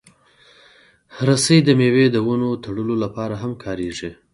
رسۍ د مېوې د ونو تړلو لپاره هم کارېږي.